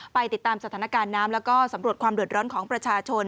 ติดตามสถานการณ์น้ำแล้วก็สำรวจความเดือดร้อนของประชาชน